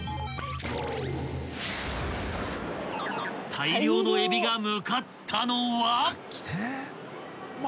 ［大量のえびが向かったのは］